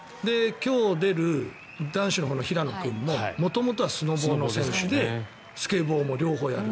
今日出る男子のほうの平野君も元々はスノボーの選手でスケボーも両方やる。